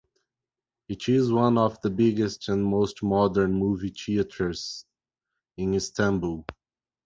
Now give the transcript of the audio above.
It is one of the biggest and most modern movie theatres in Istanbul.